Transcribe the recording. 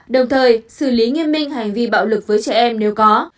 đồng thời xử lý nghiêm minh hành vi bạo lực với trẻ em nếu có